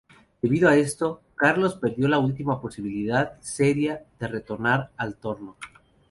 Debido a esto, Carlos perdió la última posibilidad seria de retornar al trono.